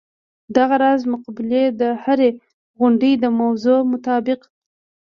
دغه راز مقولې د هرې غونډې د موضوع مطابق.